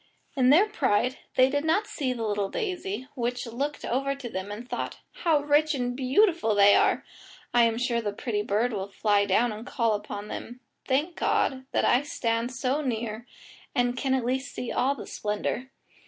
In their pride they did not see the little daisy, which looked over to them and thought, "How rich and beautiful they are! I am sure the pretty bird will fly down and call upon them. Thank God, that I stand so near and can at least see all the splendour."